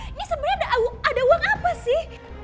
ini sebenarnya ada uang apa sih